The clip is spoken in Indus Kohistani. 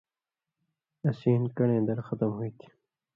اسی ہِن کن٘ڑیں دڑ ختم ہوتھی